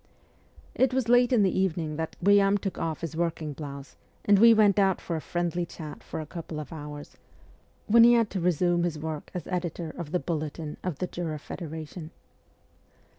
It was late in the evening that Guillaume took off his working blouse, and we went out for a friendly chat for a couple of hours, when he had to resume his work as editor of the ' Bulletin ' of the Jura Federa tion.